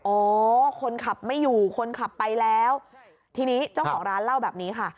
โอ้คนขับไม่อยู่คนขับไปแล้วทีนี้เจ้าของร้านเล่าแบบนี้ค่ะ